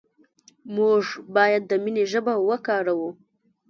موږ باید د مینې ژبه وکاروو.